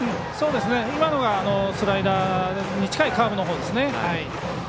今のがスライダーに近いカーブですね。